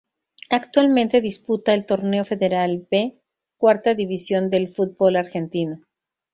Actualmente disputa el Torneo Federal B, cuarta división del Fútbol Argentino.